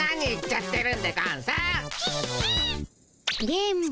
電ボ